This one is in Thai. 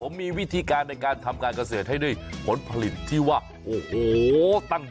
ผมมีวิธีการในการทำการเกษตรให้ด้วยผลผลิตที่ว่าโอ้โหตั้งอยู่